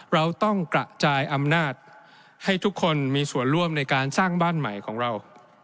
เราต้องกระจายอำนาจให้ทุกคนมีส่วนร่วมในการสร้างบ้านใหม่ของเรา